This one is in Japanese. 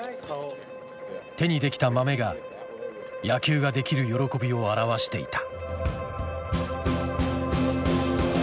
手にできたマメが野球ができる喜びを表していた。